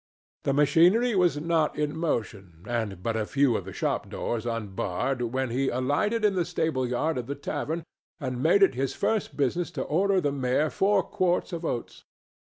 The machinery was not in motion and but a few of the shop doors unbarred when he alighted in the stable yard of the tavern and made it his first business to order the mare four quarts of oats.